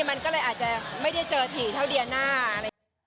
มันก็เลยอาจจะไม่ได้เจอถี่เท่าเดี๋ยน่า